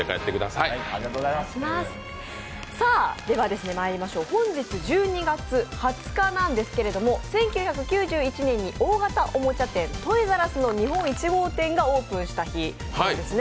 では、本日１２月２０日なんですけど１９９１年に大型おもちゃ店トイザらスの日本１号店がオープンした日なんですね。